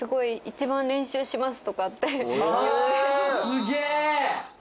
すげえ！